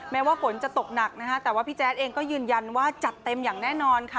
แม้ว่าฝนจะตกหนักนะคะแต่ว่าพี่แจ๊ดเองก็ยืนยันว่าจัดเต็มอย่างแน่นอนค่ะ